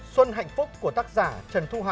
xuân hạnh phúc của tác giả trần thu hà